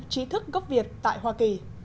trí thức gốc việt tại hoa kỳ